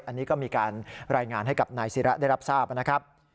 อันนี้ก็มีการรายงานให้กับนายศิระได้รับทราบนะครับ